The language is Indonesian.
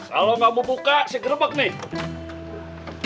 kalau gak mau buka saya gerebek nih